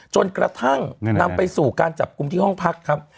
จนกระทั่งนำไปสู่การจับกลุ่มที่ห้องพักครับ